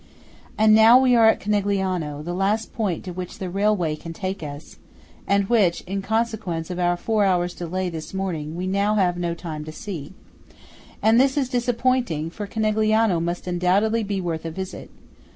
And now we are at Conegliano, the last point to which the railway can take us, and which, in consequence of our four hours' delay this morning, we have now no time to see. And this is disappointing; for Conegliano must undoubtedly be worth a visit.